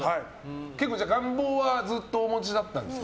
願望はずっとお持ちだったんですか？